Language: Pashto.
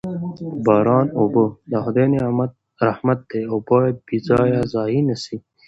د باران اوبه د خدای رحمت دی او باید بې ځایه ضایع نه سي.